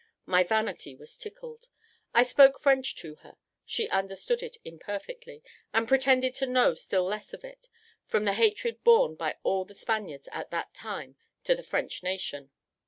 My vanity was tickled. I spoke French to her: she understood it imperfectly, and pretended to know still less of it, from the hatred borne by all the Spaniards at that time to the French nation.